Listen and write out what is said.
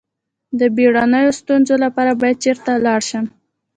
د بیړنیو ستونزو لپاره باید چیرته لاړ شم؟